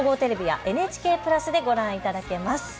総合テレビやＮＨＫプラスでご覧いただけます。